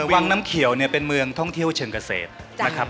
วางน้ำเขียวเป็นเมืองท่องเที่ยวเชิงเกษตร